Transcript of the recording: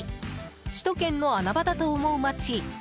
首都圏の穴場だと思う街！